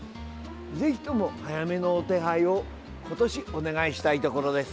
ぜひとも、早めの手配を今年、お願いしたいところです。